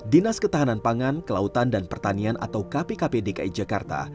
dinas ketahanan pangan kelautan dan pertanian atau kpkp dki jakarta